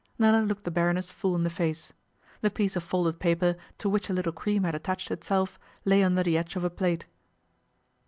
Nella looked the Baroness full in the face. The piece of folded paper, to which a little cream had attached itself, lay under the edge of a plate.